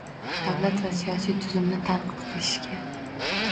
Davlat va siyosiy tuzumni tanqid qilishga